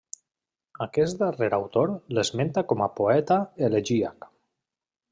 Aquest darrer autor l'esmenta com a poeta elegíac.